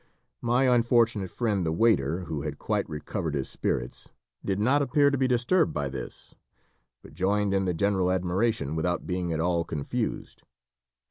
My unfortunate friend, the waiter, who had quite recovered his spirits, did not appear to be disturbed by this, but joined in the general admiration without being at all confused.